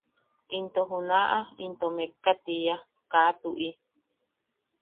Into juna’a into mekka tiia –Kaa tu’i.